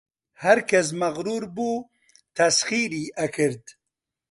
هەرکەس مەغروور بوو تەسخیری ئەکرد